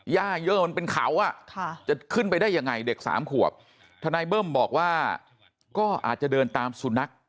ย่าเยอะมันเป็นเขาอ่ะจะขึ้นไปได้ยังไงเด็กสามขวบทนายเบิ้มบอกว่าก็อาจจะเดินตามสุนัข